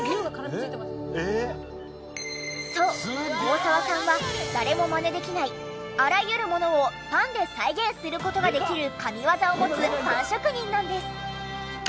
そう大澤さんは誰もマネできないあらゆるものをパンで再現する事ができる神業を持つパン職人なんです。